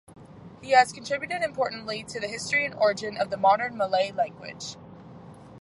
He has contributed importantly to the history and origin of the modern Malay language.